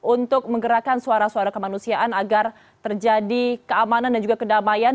untuk menggerakkan suara suara kemanusiaan agar terjadi keamanan dan juga kedamaian